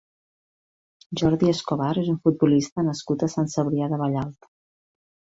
Jordi Escobar és un futbolista nascut a Sant Cebrià de Vallalta.